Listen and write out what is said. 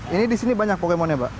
ini disini banyak pokemon ya mbak